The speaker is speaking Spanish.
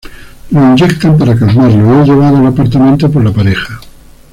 Lo inyectan para calmarlo y es llevado al apartamento por la pareja.